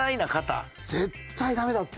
絶対ダメだって。